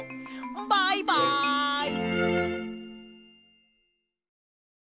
バイバイ！